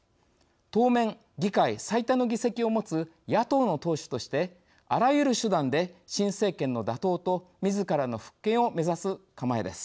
当面議会最多の議席を持つ野党の党首としてあらゆる手段で新政権の打倒とみずからの復権を目指す構えです。